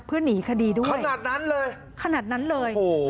เพื่อนหนีคดีด้วยขนาดนั้นเลยโอ้โฮ